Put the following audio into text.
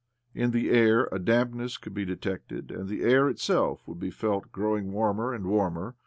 In the air a damp ness could be detected, and the air itself could be felt growing warmer and warmer.